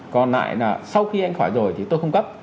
còn lại là sau khi anh khỏi rồi thì tôi không cấp